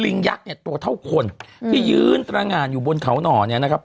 ยักษ์เนี่ยตัวเท่าคนที่ยืนตรงานอยู่บนเขาหน่อเนี่ยนะครับ